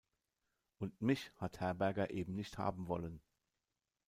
Und mich hat Herberger eben nicht haben wollen.